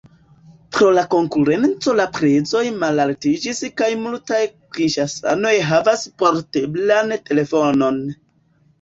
Pro la konkurenco la prezoj malaltiĝis kaj multaj kinŝasanoj havas porteblan telefonon.